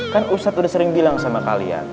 kan ustadz udah sering bilang sama kalian